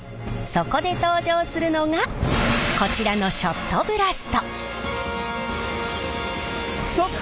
そこで登場するのがこちらのショットブラスト。